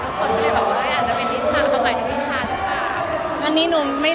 ทุกคนก็เลยบอกว่าอาจจะเป็นทิชชาทำไมทิชชาแบบนี้